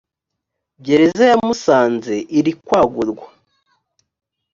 gereza ya musanze iri kwagurwa